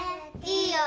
いいよ。